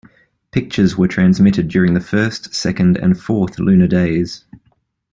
Pictures were transmitted during the first, second, and fourth lunar days.